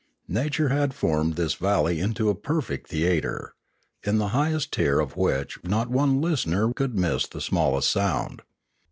Nature had formed this valley into a perfect theatre, in the highest tier of which not one listener could miss the smallest sound.